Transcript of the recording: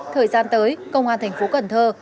thời gian tới công an thành phố cần thơ